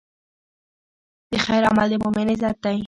د خیر عمل د مؤمن عزت دی.